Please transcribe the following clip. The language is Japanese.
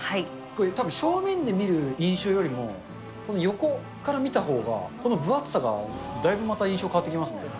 たぶん、正面で見る印象よりも、この横から見たほうが、この分厚さがだいぶまた印象変わってきますね。